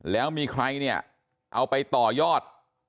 แล้วมีใครเนี่ยเอาไปต่อยอด